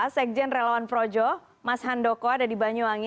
sekjen relawan projo mas handoko ada di banyuwangi